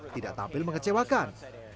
tidak tampil mengecewakan